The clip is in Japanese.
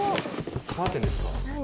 カーテンですか？